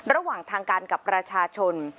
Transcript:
ระหว่างทางการกับประชาชน